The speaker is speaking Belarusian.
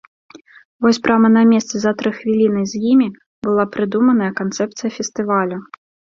Вось прама на месцы за тры хвіліны з імі была прыдуманая канцэпцыя фестывалю.